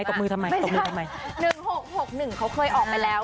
ตบมือทำไม๑๖๖๑เขาเคยออกไปแล้ว